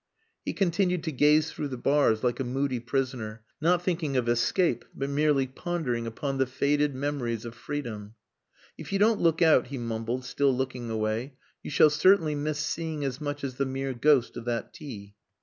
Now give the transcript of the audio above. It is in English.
He continued to gaze through the bars like a moody prisoner, not thinking of escape, but merely pondering upon the faded memories of freedom. "If you don't look out," he mumbled, still looking away, "you shall certainly miss seeing as much as the mere ghost of that tea."